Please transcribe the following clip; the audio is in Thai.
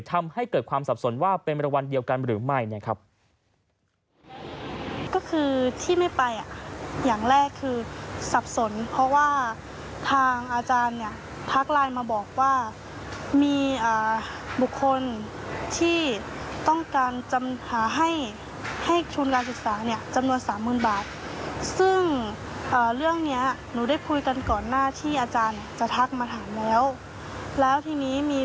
ทำให้เกิดความสับสนว่าเป็นมีรวรรณเดียวกันหรือไม่